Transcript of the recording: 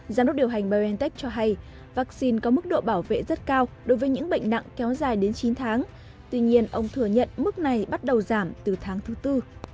giám đốc điều hành biontech cho hay vaccine có mức độ bảo vệ rất cao đối với những bệnh nặng kéo dài đến chín tháng tuy nhiên ông thừa nhận mức này bắt đầu giảm từ tháng thứ tư